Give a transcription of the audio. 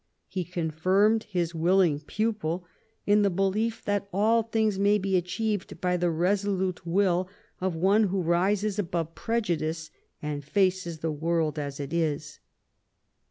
He confirmed his willing pupil in the belief that all things may be achieved by the resolute will of one who rises above prejudice and faces the world as it is.